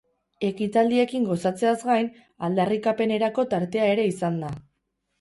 Ekitaldiekin gozatzeaz gain, aldarrikapenerako tartea ere izan da.